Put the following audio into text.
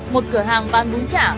một cửa hàng bán bún chả